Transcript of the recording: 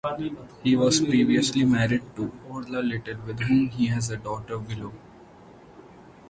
He was previously married to Orla Little, with whom he has a daughter, Willow.